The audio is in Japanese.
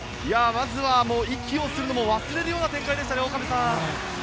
まずは息をするのも忘れるような展開でしたね。